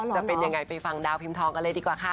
จะเป็นยังไงไปฟังดาวพิมพ์ทองกันเลยดีกว่าค่ะ